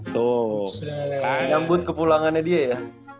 itu nyambut ke pulangannya dia ya